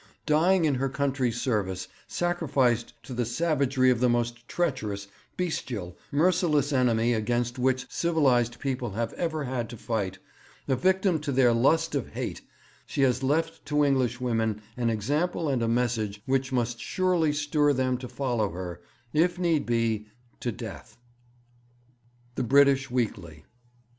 Dying in her country's service, sacrificed to the savagery of the most treacherous, bestial, merciless enemy against which civilized peoples have ever had to fight, a victim to their lust of hate, she has left to Englishwomen an example and a message which must surely stir them to follow her, if need be, to death.' _The British Weekly.